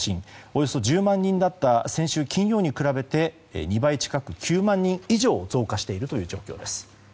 およそ１０万人だった先週金曜日に比べて２倍近く９万人以上増加しているという状況です。